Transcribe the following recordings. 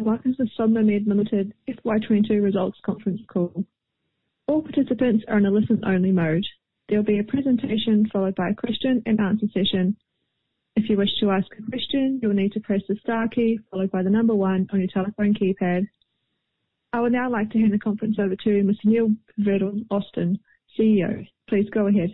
Welcome to the SomnoMed Limited FY 2022 results conference call. All participants are in a listen-only mode. There will be a presentation followed by a question and answer session. If you wish to ask a question, you will need to press the star key followed by the number one on your telephone keypad. I would now like to hand the conference over to Mr. Neil Verdal-Austin, CEO. Please go ahead.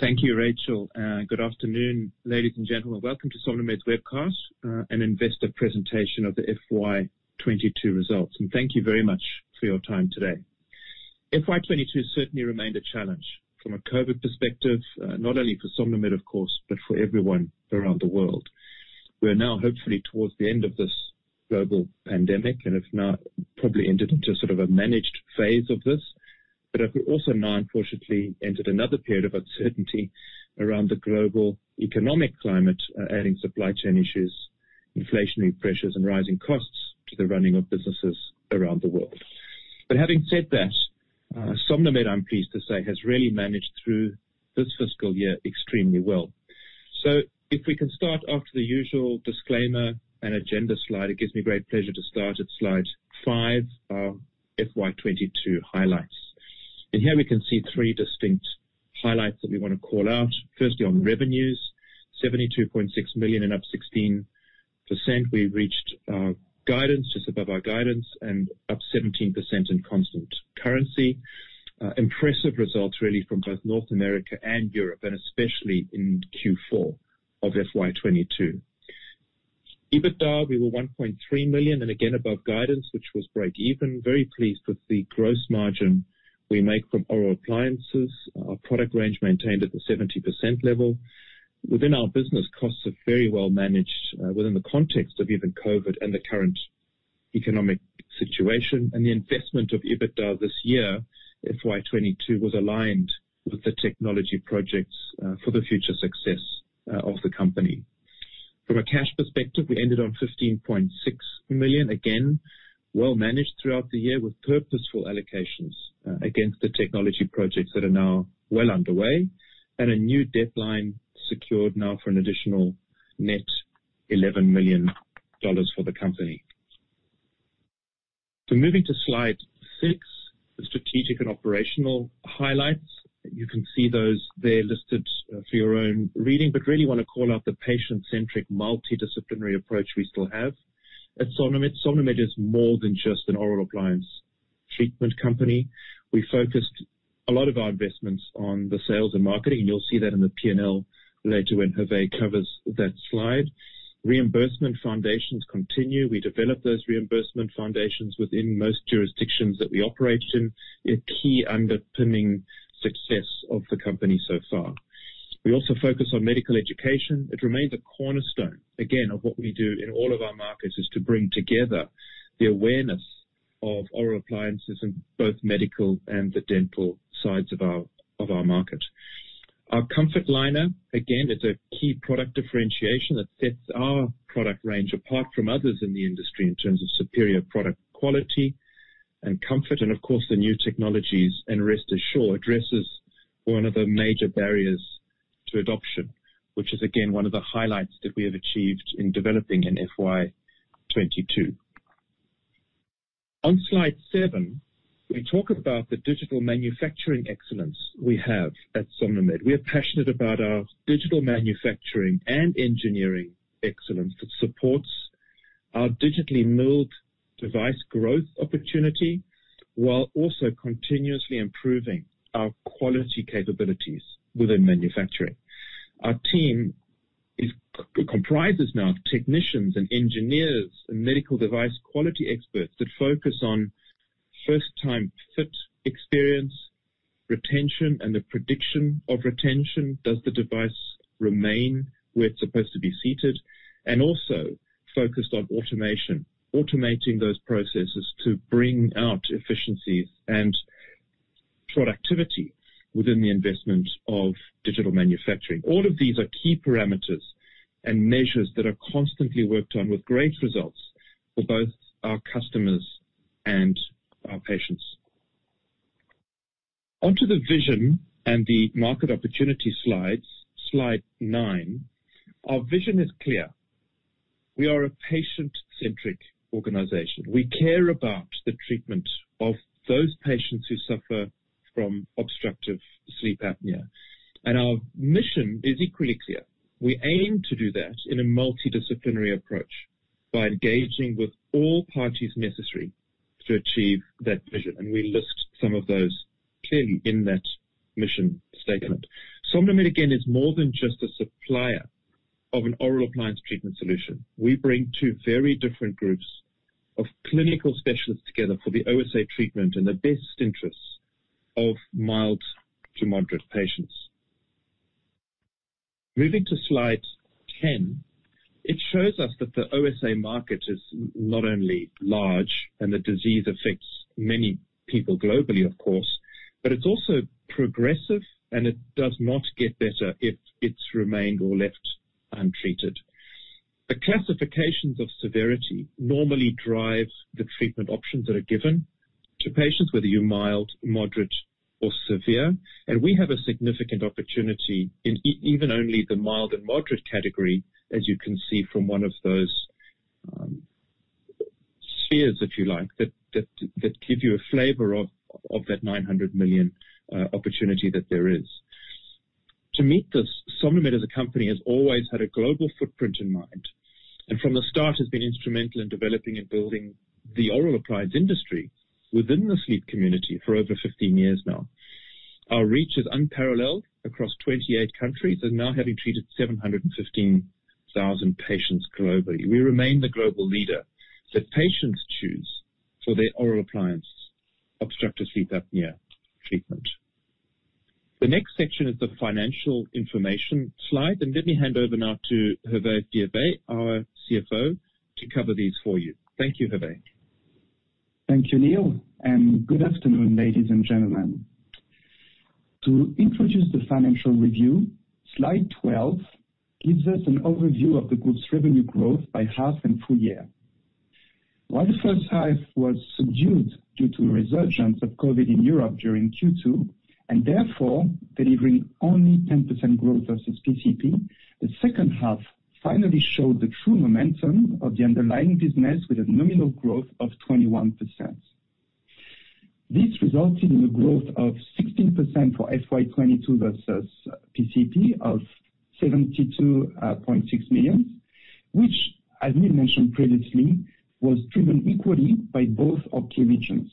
Thank you, Rachel, and good afternoon, ladies and gentlemen. Welcome to SomnoMed's webcast, an investor presentation of the FY 2022 results and thank you very much for your time today. FY 2022 certainly remained a challenge from a COVID perspective, not only for SomnoMed, of course, but for everyone around the world. We are now hopefully towards the end of this global pandemic and have now probably entered into sort of a managed phase of this. We also now unfortunately entered another period of uncertainty around the global economic climate, adding supply chain issues, inflationary pressures and rising costs to the running of businesses around the world. Having said that, SomnoMed, I'm pleased to say, has really managed through this fiscal year extremely well. If we can start after the usual disclaimer and agenda slide, it gives me great pleasure to start at slide 5, our FY 2022 highlights. Here we can see three distinct highlights that we wanna call out. Firstly, on revenues, 72.6 million and up 16%. We've reached guidance, just above our guidance and up 17% in constant currency. Impressive results really from both North America and Europe and especially in Q4 of FY 2022. EBITDA, we were 1.3 million and again above guidance, which was break even. Very pleased with the gross margin we make from oral appliances. Our product range maintained at the 70% level. Within our business, costs are very well managed, within the context of even COVID and the current economic situation. The investment of EBITDA this year, FY 2022, was aligned with the technology projects for the future success of the company. From a cash perspective, we ended on $15.6 million. Again, well managed throughout the year with purposeful allocations against the technology projects that are now well underway. A new debt line secured now for an additional net $11 million for the company. Moving to slide six, the strategic and operational highlights. You can see those there listed for your own reading. Really want to call out the patient-centric, multidisciplinary approach we still have. At SomnoMed is more than just an oral appliance treatment company. We focused a lot of our investments on the sales and marketing, and you'll see that in the P&L later when Hervé covers that slide. Reimbursement foundations continue. We develop those reimbursement foundations within most jurisdictions that we operate in, a key underpinning success of the company so far. We also focus on medical education. It remains a cornerstone again, of what we do in all of our markets, is to bring together the awareness of oral appliances in both medical and the dental sides of our market. Our Comfort Liner, again, is a key product differentiation that sets our product range apart from others in the industry in terms of superior product quality and comfort and of course, the new technologies. Rest Assure addresses one of the major barriers to adoption, which is again one of the highlights that we have achieved in developing in FY 2022. On slide 7, we talk about the digital manufacturing excellence we have at SomnoMed. We are passionate about our digital manufacturing and engineering excellence that supports our digitally milled device growth opportunity, while also continuously improving our quality capabilities within manufacturing. Our team comprises now technicians and engineers and medical device quality experts that focus on first time fit experience, retention, and the prediction of retention. Does the device remain where it's supposed to be seated? And also focused on automation, automating those processes to bring out efficiencies and productivity within the investment of digital manufacturing. All of these are key parameters and measures that are constantly worked on with great results for both our customers and our patients. Onto the vision and the market opportunity slides. Slide nine. Our vision is clear. We are a patient-centric organization. We care about the treatment of those patients who suffer from obstructive sleep apnea, and our mission is equally clear. We aim to do that in a multidisciplinary approach by engaging with all parties necessary to achieve that vision. We list some of those clearly in that mission statement. SomnoMed, again, is more than just a supplier of an oral appliance treatment solution. We bring two very different groups of clinical specialists together for the OSA treatment in the best interests of mild to moderate patients. Moving to slide 10. It shows us that the OSA market is not only large and the disease affects many people globally, of course, but it's also progressive and it does not get better if it's remained or left untreated. The classifications of severity normally drives the treatment options that are given to patients, whether you're mild, moderate or severe. We have a significant opportunity in even only the mild and moderate category, as you can see from one of those spheres, if you like, that give you a flavor of that 900 million opportunity that there is. To meet this, SomnoMed as a company has always had a global footprint in mind, and from the start has been instrumental in developing and building the oral appliance industry within the sleep community for over 15 years now. Our reach is unparalleled across 28 countries and now having treated 715,000 patients globally. We remain the global leader that patients choose for their oral appliance obstructive sleep apnea treatment. The next section is the financial information slide, and let me hand over now to Hervé Fiévet, our CFO, to cover these for you. Thank you, Hervé. Thank you, Neil, and good afternoon, ladies and gentlemen. To introduce the financial review, slide 12 gives us an overview of the group's revenue growth by half and full year. While the first half was subdued due to a resurgence of COVID in Europe during Q2, and therefore delivering only 10% growth versus PCP, the second half finally showed the true momentum of the underlying business with a nominal growth of 21%. This resulted in a growth of 16% for FY 2022 versus PCP of 72.6 million, which as Neil mentioned previously, was driven equally by both of key regions.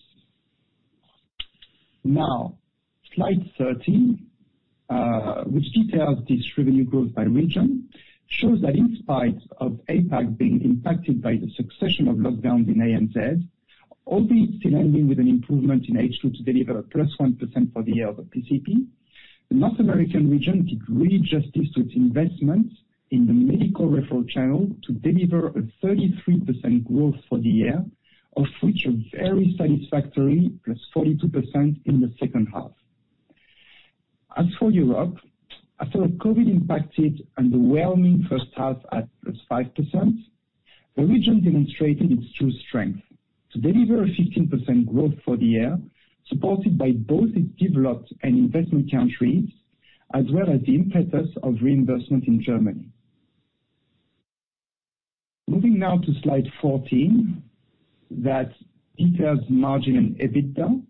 Now, slide 13, which details this revenue growth by region, shows that in spite of APAC being impacted by the succession of lockdowns in ANZ, albeit still ending with an improvement in H2 to deliver a +1% for the year over PCP. The North American region did really justice to its investments in the medical referral channel to deliver a 33% growth for the year, of which a very satisfactory +42% in the second half. As for Europe, after COVID impacted underwhelming first half at +5%, the region demonstrated its true strength to deliver a 15% growth for the year, supported by both its developed and investment countries, as well as the impetus of reinvestment in Germany. Moving now to slide 14, that details margin and EBITDA.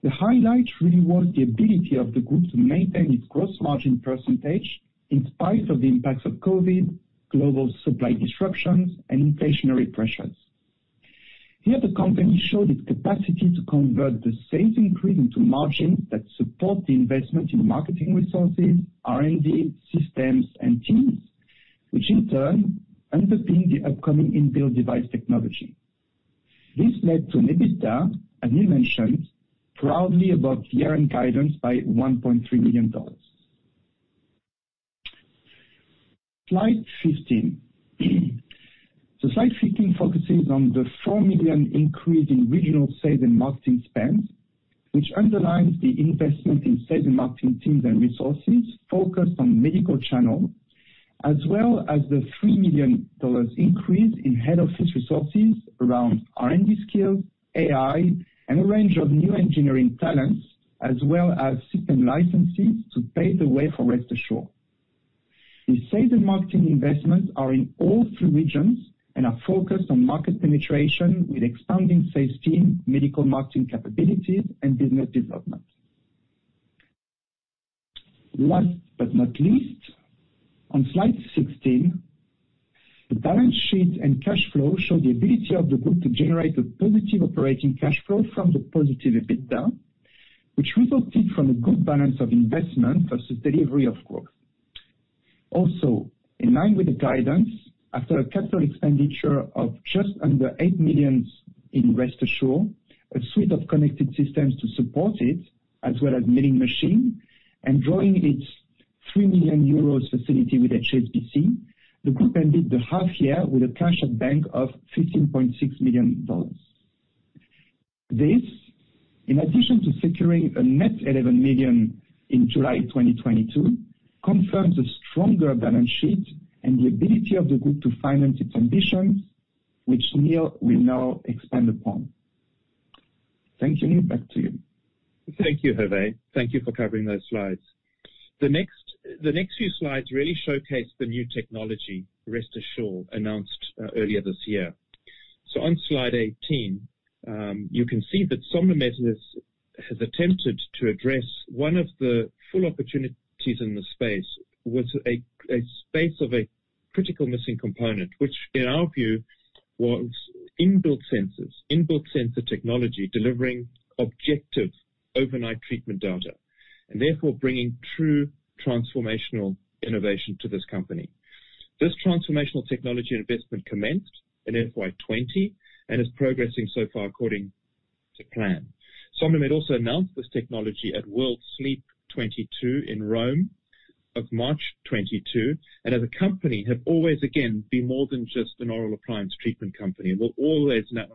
The highlight really was the ability of the group to maintain its gross margin percentage in spite of the impacts of COVID, global supply disruptions, and inflationary pressures. Here, the company showed its capacity to convert the sales increase into margins that support the investment in marketing resources, R&D, systems and teams, which in turn underpin the upcoming in-built device technology. This led to an EBITDA, as Neil mentioned, proudly above year-end guidance by 1.3 million dollars. Slide 15. Slide 15 focuses on the 4 million increase in regional sales and marketing spends, which underlines the investment in sales and marketing teams and resources focused on medical channel, as well as the 3 million dollars increase in head office resources around R&D skills, AI, and a range of new engineering talents, as well as system licenses to pave the way for Rest Assure. The sales and marketing investments are in all three regions and are focused on market penetration with expanding sales team, medical marketing capabilities and business development. Last but not least, on slide 16, the balance sheet and cash flow show the ability of the group to generate a positive operating cash flow from the positive EBITDA, which resulted from a good balance of investment versus delivery of growth. Also, in line with the guidance, after a capital expenditure of just under 8 million in Rest Assure, a suite of connected systems to support it, as well as milling machine, and drawing its 3 million euros facility with HSBC, the group ended the half year with a cash at bank of $15.6 million. This, in addition to securing a net 11 million in July 2022, confirms a stronger balance sheet and the ability of the group to finance its ambitions, which Neil will now expand upon. Thank you. Neil, back to you. Thank you, Hervé. Thank you for covering those slides. The next few slides really showcase the new technology, Rest Assure, announced earlier this year. On slide 18, you can see that SomnoMed has attempted to address one of the few opportunities in the space with a critical missing component, which in our view was in-built sensor technology, delivering objective overnight treatment data, and therefore bringing true transformational innovation to this company. This transformational technology investment commenced in FY 2020 and is progressing so far according to plan. SomnoMed also announced this technology at World Sleep 2022 in Rome in March 2022. As a company have always been more than just an oral appliance treatment company and will always now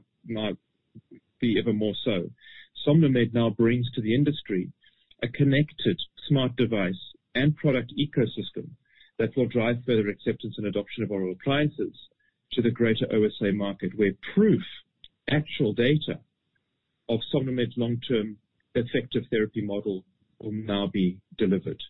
be ever more so. SomnoMed now brings to the industry a connected smart device and product ecosystem. That will drive further acceptance and adoption of oral appliances to the greater OSA market, where proof, actual data of SomnoMed's long-term effective therapy model will now be delivered.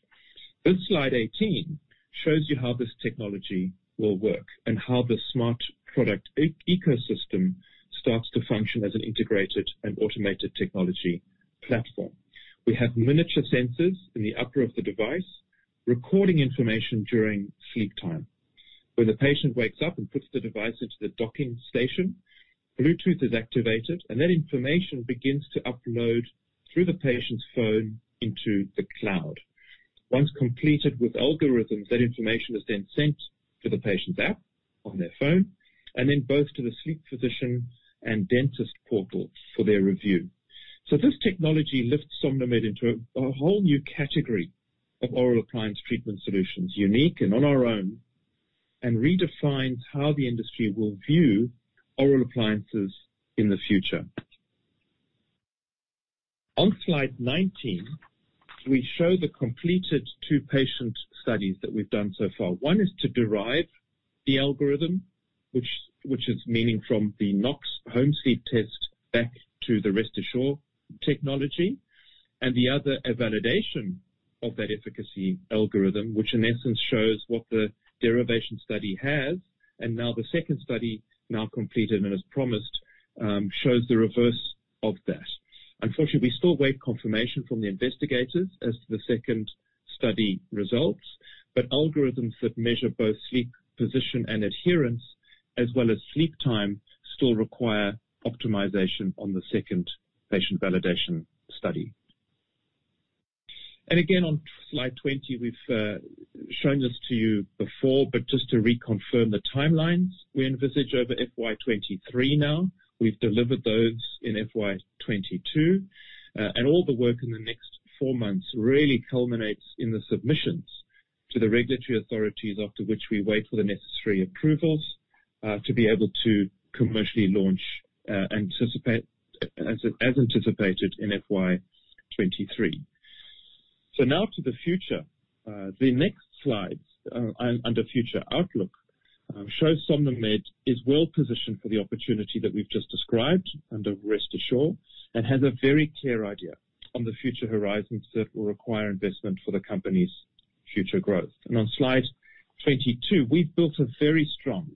Slide 18 shows you how this technology will work and how the smart product ecosystem starts to function as an integrated and automated technology platform. We have miniature sensors in the upper of the device, recording information during sleep time. When the patient wakes up and puts the device into the docking station, Bluetooth is activated, and that information begins to upload through the patient's phone into the cloud. Once completed with algorithms, that information is then sent to the patient's app on their phone, and then both to the sleep physician and dentist portal for their review. This technology lifts SomnoMed into a whole new category of oral appliance treatment solutions, unique and on our own, and redefines how the industry will view oral appliances in the future. On slide 19, we show the completed two patient studies that we've done so far. One is to derive the algorithm, which means from the Nox home sleep test back to the Rest Assure technology, and the other, a validation of that efficacy algorithm, which in essence shows what the derivation study has. Now the second study, now completed and as promised, shows the reverse of that. Unfortunately, we still await confirmation from the investigators as to the second study results, but algorithms that measure both sleep position and adherence, as well as sleep time, still require optimization on the second patient validation study. Again, on slide 20, we've shown this to you before, but just to reconfirm the timelines we envisage over FY 2023 now. We've delivered those in FY 2022. All the work in the next four months really culminates in the submissions to the regulatory authorities, after which we wait for the necessary approvals to be able to commercially launch, as anticipated in FY 2023. Now to the future. The next slides under future outlook shows SomnoMed is well-positioned for the opportunity that we've just described under Rest Assure, and has a very clear idea on the future horizons that will require investment for the company's future growth. On slide 22, we've built a very strong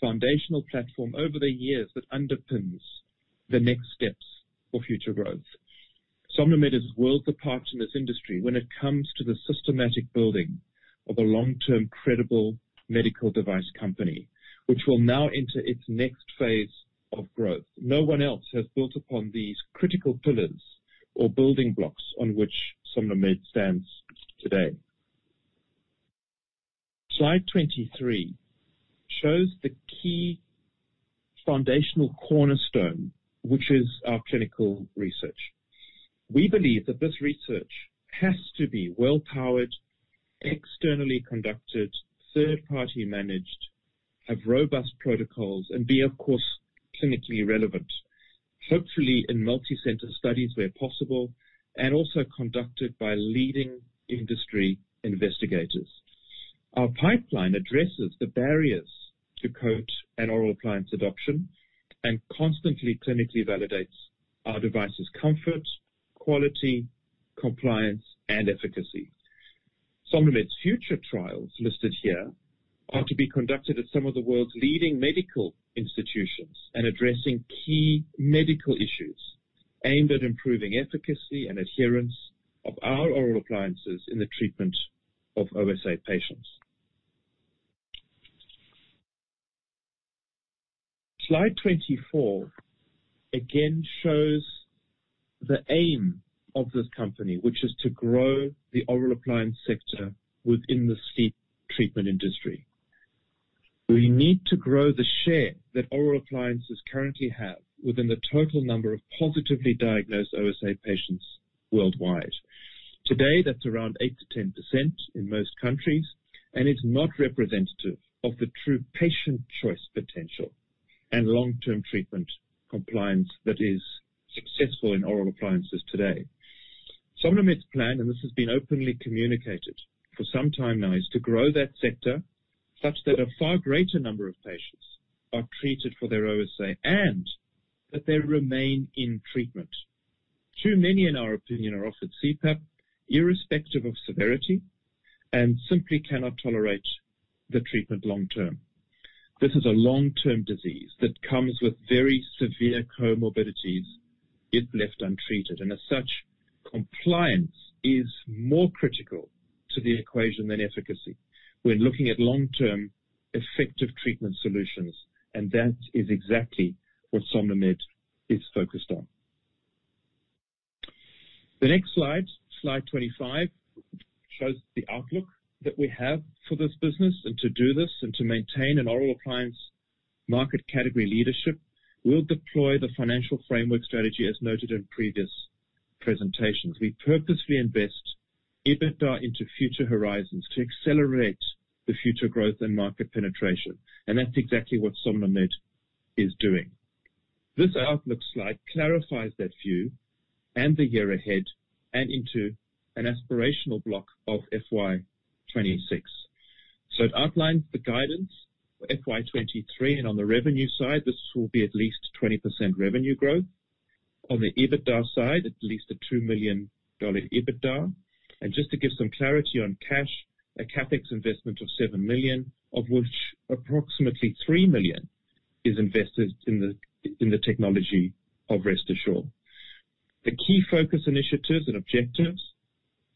foundational platform over the years that underpins the next steps for future growth. SomnoMed is worlds apart in this industry when it comes to the systematic building of a long-term credible medical device company, which will now enter its next phase of growth. No one else has built upon these critical pillars or building blocks on which SomnoMed stands today. Slide 23 shows the key foundational cornerstone, which is our clinical research. We believe that this research has to be well powered, externally conducted, third-party managed, have robust protocols, and be, of course, clinically relevant. Hopefully, in multi-center studies where possible, and also conducted by leading industry investigators. Our pipeline addresses the barriers to COAT and oral appliance adoption, and constantly clinically validates our device's comfort, quality, compliance, and efficacy. SomnoMed's future trials listed here are to be conducted at some of the world's leading medical institutions in addressing key medical issues aimed at improving efficacy and adherence of our oral appliances in the treatment of OSA patients. Slide 24 again shows the aim of this company, which is to grow the oral appliance sector within the sleep treatment industry. We need to grow the share that oral appliances currently have within the total number of positively diagnosed OSA patients worldwide. Today, that's around 8%-10% in most countries, and it's not representative of the true patient choice potential and long-term treatment compliance that is successful in oral appliances today. SomnoMed's plan, and this has been openly communicated for some time now, is to grow that sector such that a far greater number of patients are treated for their OSA and that they remain in treatment. Too many, in our opinion, are offered CPAP irrespective of severity and simply cannot tolerate the treatment long term. This is a long-term disease that comes with very severe comorbidities if left untreated, and as such, compliance is more critical to the equation than efficacy when looking at long-term effective treatment solutions, and that is exactly what SomnoMed is focused on. The next slide 25, shows the outlook that we have for this business. To do this and to maintain an oral appliance market category leadership, we'll deploy the financial framework strategy as noted in previous presentations. We purposely invest EBITDA into future horizons to accelerate the future growth and market penetration, and that's exactly what SomnoMed is doing. This outlook slide clarifies that view and the year ahead and into an aspirational block of FY 2026. It outlines the guidance for FY 2023. On the revenue side, this will be at least 20% revenue growth. On the EBITDA side, at least a 2 million dollar EBITDA. Just to give some clarity on cash, a CapEx investment of 7 million, of which approximately 3 million is invested in the technology of Rest Assure. The key focus initiatives and objectives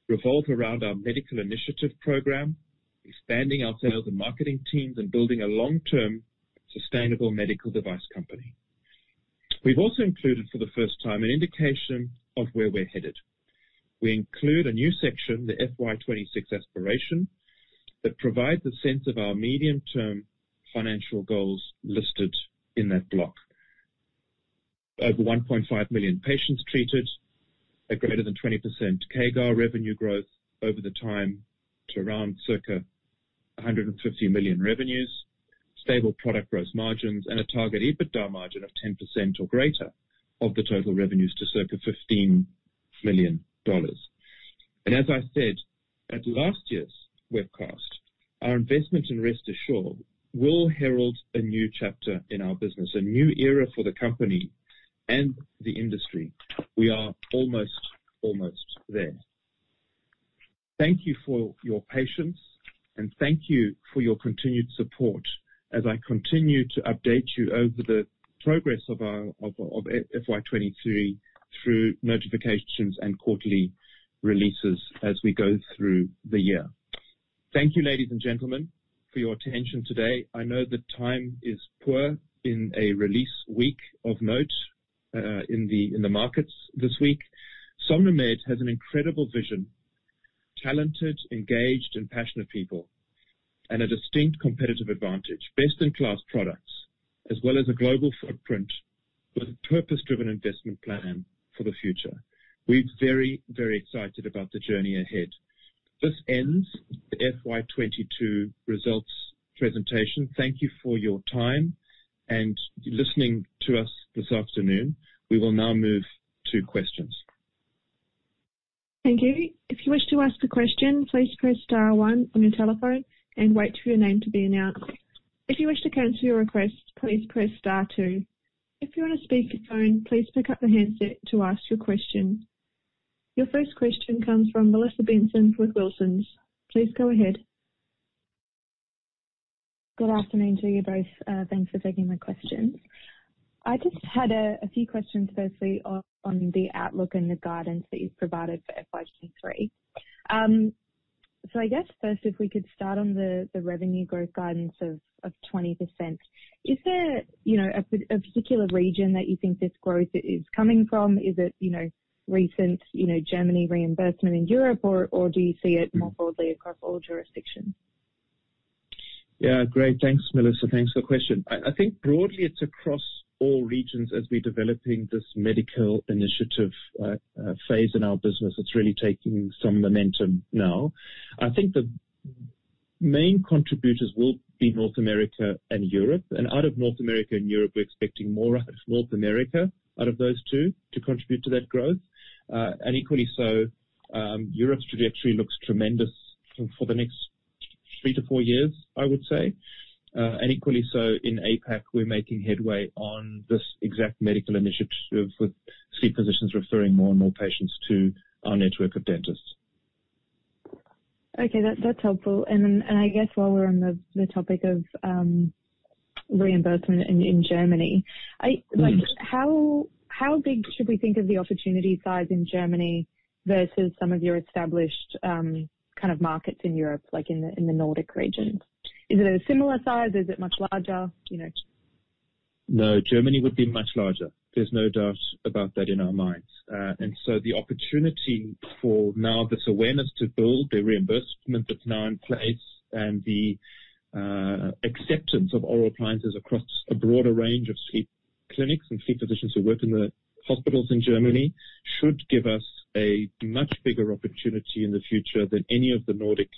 revolve around our medical initiative program, expanding our sales and marketing teams, and building a long-term sustainable medical device company. We've also included for the first time, an indication of where we're headed. We include a new section, the FY 2026 aspiration, that provides a sense of our medium-term financial goals listed in that block. Over 1.5 million patients treated at greater than 20% CAGR revenue growth over the time to around circa 150 million revenues, stable product gross margins, and a target EBITDA margin of 10% or greater of the total revenues to circa $15 million. As I said at last year's webcast, our investment in Rest Assure will herald a new chapter in our business, a new era for the company and the industry. We are almost there. Thank you for your patience, and thank you for your continued support as I continue to update you over the progress of our FY 2023 through notifications and quarterly releases as we go through the year. Thank you, ladies and gentlemen, for your attention today. I know that time is short in a release week of note, in the markets this week. SomnoMed has an incredible vision, talented, engaged, and passionate people and a distinct competitive advantage. Best-in-class products, as well as a global footprint with a purpose-driven investment plan for the future. We're very, very excited about the journey ahead. This ends the FY 2022 results presentation. Thank you for your time and listening to us this afternoon. We will now move to questions. Thank you. If you wish to ask a question, please press star one on your telephone and wait for your name to be announced. If you wish to cancel your request, please press star two. If you're on a speakerphone, please pick up the handset to ask your question. Your first question comes from Mellissa Benson with Wilsons. Please go ahead. Good afternoon to you both. Thanks for taking my questions. I just had a few questions, firstly on the outlook and the guidance that you've provided for FY 2023. I guess first, if we could start on the revenue growth guidance of 20%. Is there a particular region that you think this growth is coming from? Is it recent German reimbursement in Europe, or do you see it more broadly across all jurisdictions? Yeah. Great. Thanks, Mellissa. Thanks for the question. I think broadly it's across all regions as we're developing this medical initiative phase in our business. It's really taking some momentum now. I think the main contributors will be North America and Europe. Out of North America and Europe, we're expecting more out of North America out of those two to contribute to that growth. Equally so, Europe's trajectory looks tremendous for the next three to four years, I would say. Equally so in APAC, we're making headway on this exact medical initiative with sleep physicians referring more and more patients to our network of dentists. Okay. That's helpful. I guess while we're on the topic of reimbursement in Germany. I- Mm-hmm. Like, how big should we think of the opportunity size in Germany versus some of your established, kind of markets in Europe, like in the Nordic region? Is it a similar size? Is it much larger? You know. No, Germany would be much larger. There's no doubt about that in our minds. The opportunity for now this awareness to build, the reimbursement that's now in place, and the acceptance of oral appliances across a broader range of sleep clinics and sleep physicians who work in the hospitals in Germany should give us a much bigger opportunity in the future than any of the Nordic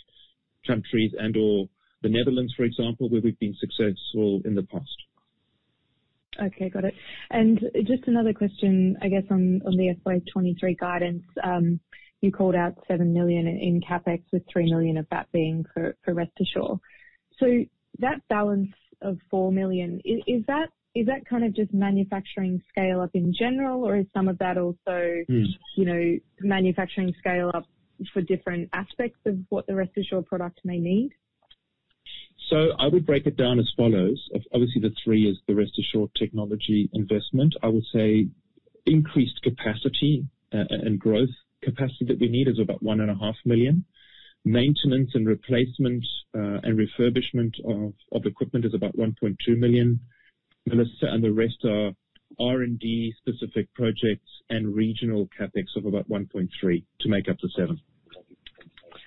countries and/or the Netherlands, for example, where we've been successful in the past. Okay. Got it. Just another question, I guess, on the FY 2023 guidance. You called out 7 million in CapEx, with 3 million of that being for Rest Assure. That balance of 4 million, is that kind of just manufacturing scale-up in general, or is some of that also? Mm. You know, manufacturing scale-up for different aspects of what the Rest Assure product may need? I would break it down as follows. Obviously, the three is the Rest Assure technology investment. I would say increased capacity and growth capacity that we need is about 1.5 million. Maintenance and replacement, and refurbishment of equipment is about 1.2 million, Melissa, and the rest are R&D specific projects and regional CapEx of about 1.3 to make up the seven.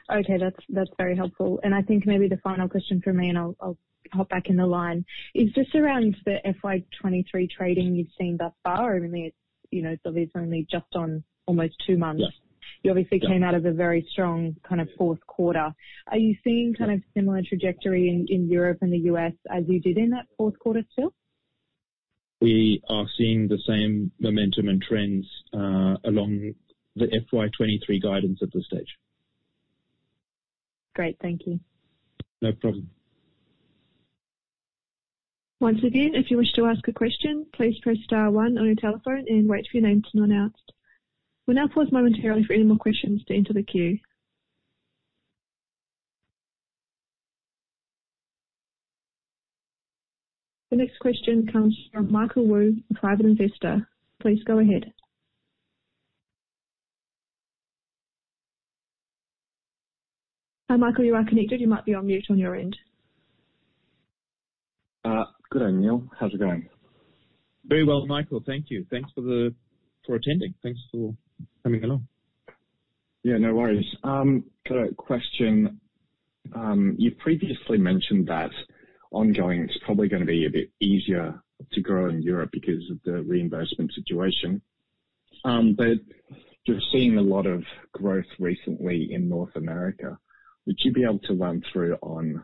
Okay. That's very helpful. I think maybe the final question from me, and I'll hop back in the line, is just around the FY 2023 trading you've seen thus far. I mean, it's, you know, obviously it's only just on almost two months. You obviously came out of a very strong kind of fourth quarter. Are you seeing kind of similar trajectory in Europe and the US as you did in that fourth quarter still? We are seeing the same momentum and trends, along the FY 23 guidance at this stage. Great. Thank you. No problem. Once again, if you wish to ask a question, please press star one on your telephone and wait for your name to be announced. We'll now pause momentarily for any more questions to enter the queue. The next question comes from Michael Wu, a private investor. Please go ahead. Michael, you are connected. You might be on mute on your end. Good day, Neil. How's it going? Very well, Michael. Thank you. Thanks for attending. Thanks for coming along. Yeah, no worries. Got a question. You previously mentioned that ongoing, it's probably gonna be a bit easier to grow in Europe because of the reimbursement situation. But you're seeing a lot of growth recently in North America. Would you be able to run through on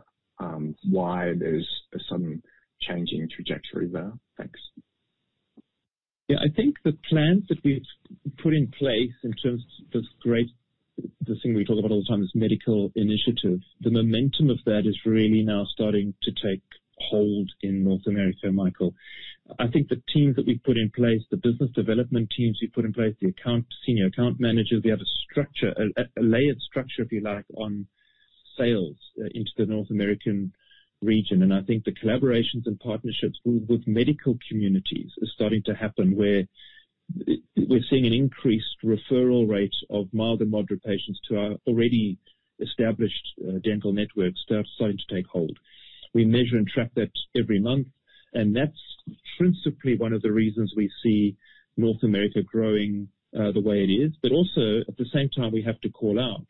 why there's a sudden changing trajectory there? Thanks. Yeah. I think the plans that we've put in place in terms of this thing we talk about all the time, is medical initiative. The momentum of that is really now starting to take hold in North America, Michael. I think the teams that we've put in place, the business development teams we've put in place, the account, senior account managers, we have a structure, a layered structure, if you like, on sales into the North American region. I think the collaborations and partnerships with medical communities is starting to happen where we're seeing an increased referral rate of mild and moderate patients to our already established dental networks. They are starting to take hold. We measure and track that every month, and that's principally one of the reasons we see North America growing the way it is. Also, at the same time, we have to call out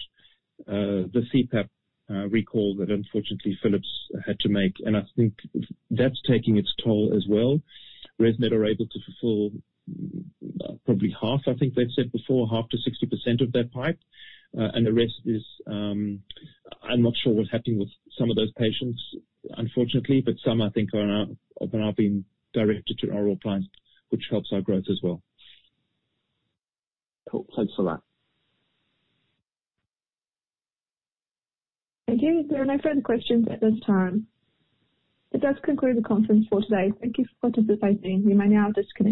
the CPAP recall that unfortunately Philips had to make, and I think that's taking its toll as well. ResMed are able to fulfill probably half, I think they've said before, half to 60% of that pipe, and the rest is, I'm not sure what's happening with some of those patients, unfortunately. Some, I think, are now being directed to our clients, which helps our growth as well. Cool. Thanks a lot. Thank you. There are no further questions at this time. That does conclude the conference for today. Thank you for participating. You may now disconnect.